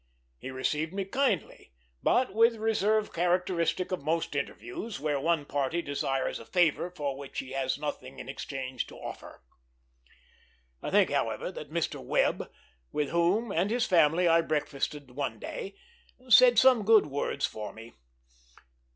He received me kindly, but with the reserve characteristic of most interviews where one party desires a favor for which he has nothing in exchange to offer. I think, however, that Mr. Webb, with whom and his family I breakfasted one day, said some good words for me.